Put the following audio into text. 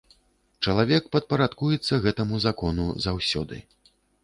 Чалавек падпарадкуецца гэтаму закону заўсёды.